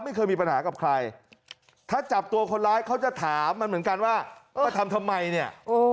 ไม่เคยมีปัญหากับใครถ้าจับตัวคนร้ายเขาจะถามมันเหมือนกันว่าเออมาทำทำไมเนี่ย